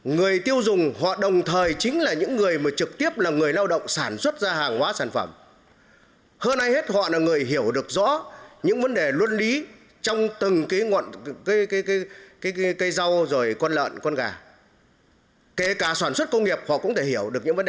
người tiêu dùng họ đồng thời chính là những người mà trực tiếp là người lao động sản xuất ra hàng hóa sản phẩm hơn ai hết họ là người hiểu được rõ những vấn đề luân lý trong từng cái rau rồi con lợn con gà kể cả sản xuất công nghiệp họ cũng thể hiểu được những vấn đề đó